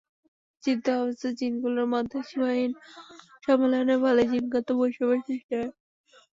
জীবদেহে অবস্থিত জিনগুলোর মধ্যে সীমাহীন সম্মেলনের ফলে জিনগত বৈষম্যের সৃষ্টি হয়।